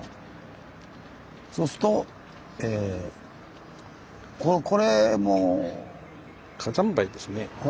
そうするとえこれも。火山灰ですか。